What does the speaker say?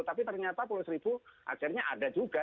tapi ternyata pulau seribu akhirnya ada juga